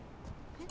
えっ？